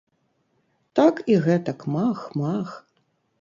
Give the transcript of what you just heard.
Так і гэтак мах, мах!